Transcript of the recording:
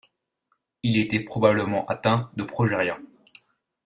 Il était probablement atteint de progéria.